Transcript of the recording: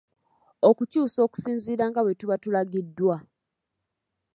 Okukyusa okusinziira nga bwe tuba tulagiddwa.